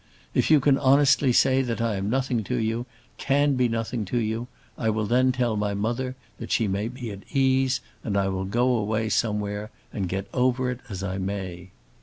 If you can honestly say that I am nothing to you, can be nothing to you, I will then tell my mother that she may be at ease, and I will go away somewhere and get over it as I may."